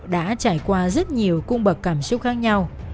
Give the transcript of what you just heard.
đã trải qua rất nhiều cung bậc cảm xúc khác nhau